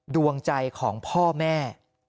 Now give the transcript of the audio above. ดวงใจของพ่อแม่